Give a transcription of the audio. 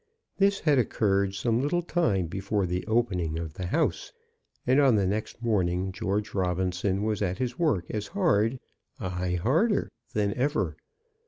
This had occurred some little time before the opening of the house, and on the next morning George Robinson was at his work as hard, ay, harder than ever.